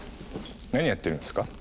何やってるんすか？